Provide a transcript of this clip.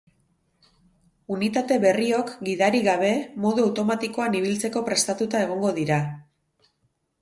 Unitate berriok, gidari gabe, modu automatikoan ibiltzeko prestatuta egongo dira.